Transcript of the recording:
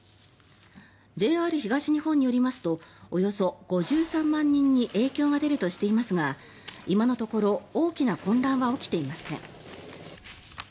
ＪＲ東日本によりますとおよそ５３万人に影響が出るとしていますが今のところ大きな混乱は起きていません。